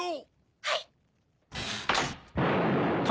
はい。